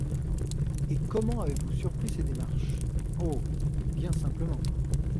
Et comment avez-vous surpris ces démarches ? Oh ! bien simplement.